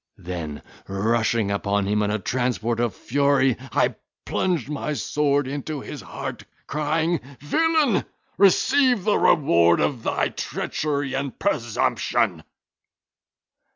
Then rushing upon him, in a transport of fury, I plunged my sword into his heart, crying, "Villain! receive the reward of thy treachery and presumption."